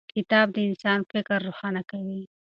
کتاب د انسان فکر روښانه کوي.